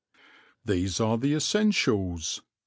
These are the essentials.